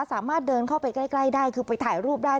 สามารถเดินเข้าไปใกล้ได้คือไปถ่ายรูปได้